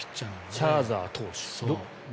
シャーザー投手。